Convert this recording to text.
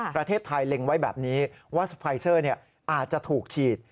ประเทศไทยเล็งไว้แบบนี้ว่าไฟเซอร์อาจจะถูกฉีด